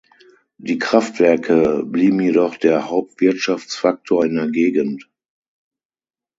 Die Kraftwerke blieben jedoch der Hauptwirtschaftsfaktor in der Gegend.